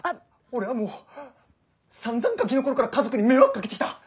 俺はもうさんざんガキの頃から家族に迷惑かけてきた。